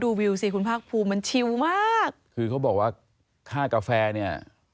วิวสิคุณภาคภูมิมันชิวมากคือเขาบอกว่าค่ากาแฟเนี่ย